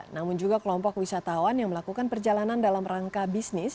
namun juga kelompok wisatawan yang melakukan perjalanan dalam rangka bisnis